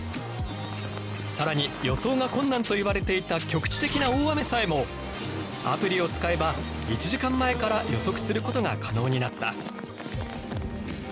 更に予想が困難といわれていた局地的な大雨さえもアプリを使えば１時間前から予測することが可能になった。